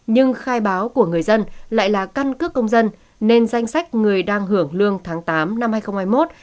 nhưng khai báo của người dân lại là căn cước công dân nên danh sách người đang hưởng lương tháng tám năm hai nghìn hai mươi một